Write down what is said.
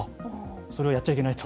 それはやっちゃいけないと。